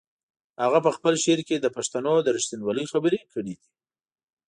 هغه په خپل شعر کې د پښتنو د رښتینولۍ خبرې کړې دي.